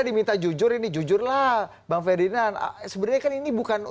sebenarnya kan ini bukan